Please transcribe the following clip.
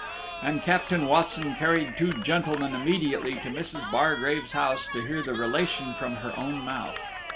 And Captain Watson carried two gentlemen immediately to Mrs. Bargrave's house to hear the relation from her own mouth.